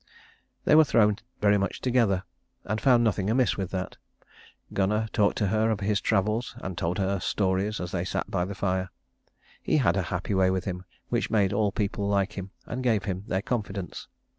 They were thrown very much together, and found nothing amiss with that. Gunnar talked to her of his travels and told her stories as they sat by the fire. He had a happy way with him which made all people like him and give him their confidence.